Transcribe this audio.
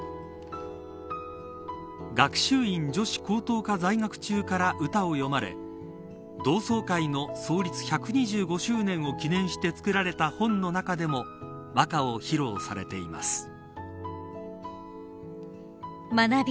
学習院女子高等科在学中から歌を詠まれ同窓会の創立１２５周年を記念して作られた本の中でも和歌を披露されています。